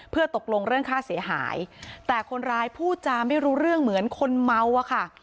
เพื่อตกลงเรื่องค่าเสียหายแต่คนร้ายพูดจาไม่รู้เรื่องเหมือนคนเมาอะค่ะ